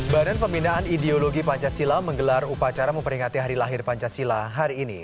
badan pembinaan ideologi pancasila menggelar upacara memperingati hari lahir pancasila hari ini